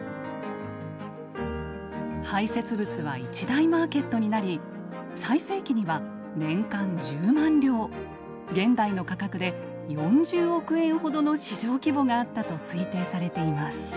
排せつ物は一大マーケットになり最盛期には年間１０万両現代の価格で４０億円ほどの市場規模があったと推定されています。